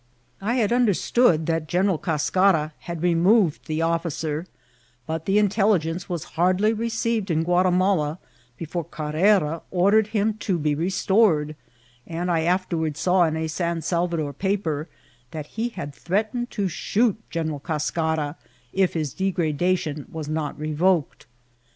I had understood that General Cascara had removed the officer, but the intelligence was hardly received in Ouatimala before Carrera ordered him to be restored ; and I afterward saw in a San Salvador paper that he had threatened to shoot General Cascara if his degra^ dation was not revoked.